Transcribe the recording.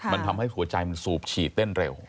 มันทำให้หัวใจมันสูบฉีดเต้นเร็ว